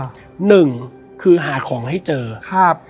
หนึ่งคือหาของให้เจอครับ